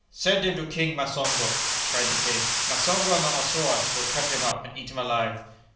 "Send him to King Masongo!" cried the king; "Masongo and the Assuas will cut him up and eat him alive."